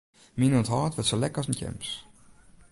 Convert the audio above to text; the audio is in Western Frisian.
Myn ûnthâld wurdt sa lek as in tjems.